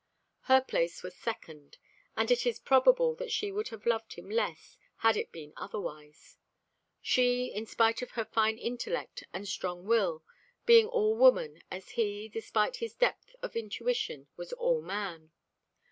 Her place was second, and it is probable that she would have loved him less had it been otherwise; she, in spite of her fine intellect and strong will, being all woman, as he, despite his depth of intuition, was all man.